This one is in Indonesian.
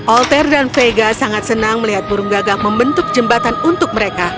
alter dan vega sangat senang melihat burung gagah membentuk jembatan untuk mereka